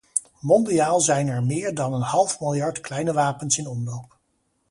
Mondiaal zijn er meer dan een half miljard kleine wapens in omloop.